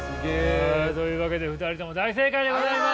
◆というわけで、２人とも大正解でございます。